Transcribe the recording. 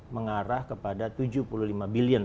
mengarah kepada tujuh puluh lima billion